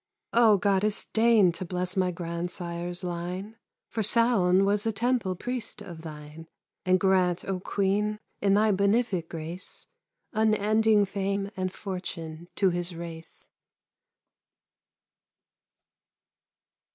O Goddess, deign to bless my grandsire's line, For Saon was a temple priest of thine; And grant, O Queen, in thy benefic grace, Unending fame and fortune to his race.